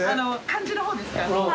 漢字の方ですか？